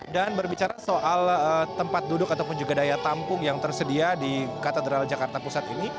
dan berbicara soal tempat duduk ataupun juga daya tampung yang tersedia di katedral jakarta pusat ini